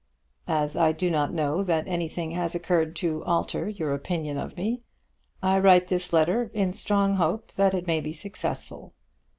As I do not know that anything has occurred to alter your opinion of me, I write this letter in strong hope that it may be successful.